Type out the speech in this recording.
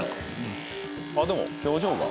でも表情が。